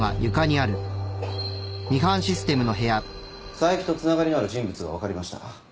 佐伯とつながりのある人物が分かりました。